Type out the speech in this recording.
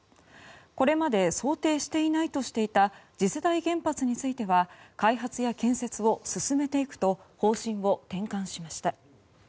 これまで想定していないとしていた次世代原発については開発や建設を進めていくと方針を転換しました。